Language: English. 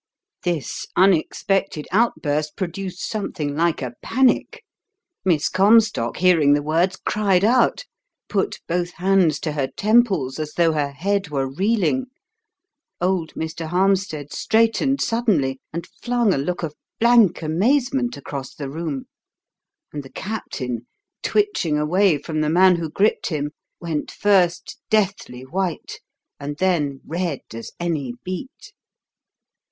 This unexpected outburst produced something like a panic. Miss Comstock, hearing the words, cried out, put both hands to her temples, as though her head were reeling; old Mr. Harmstead straightened suddenly and flung a look of blank amazement across the room; and the Captain, twitching away from the man who gripped him, went first deathly white and then red as any beet.